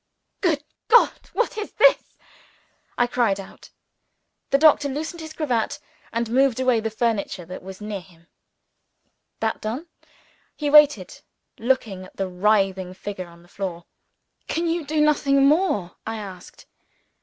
"Good God, what is this!" I cried out. The doctor loosened his cravat, and moved away the furniture that was near him. That done, he waited looking at the writhing figure on the floor. "Can you do nothing more?" I asked.